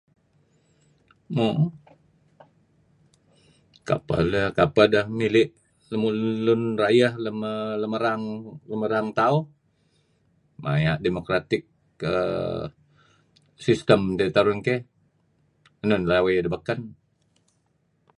Mo kapeh leyh kapeh deh mili' lun rayeh lem erang tauh maya' demokratik uhm system dih terun keyh. Enun lawey dih baken.